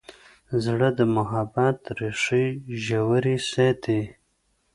زړه د محبت ریښې ژورې ساتي.